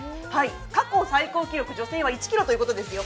過去最高記録、女性は１ｋｇということですよ。